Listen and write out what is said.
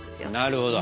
なるほど。